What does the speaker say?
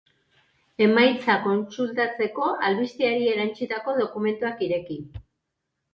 Emaitzak kontsultatzeko, albisteari erantsitako dokumentuak ireki.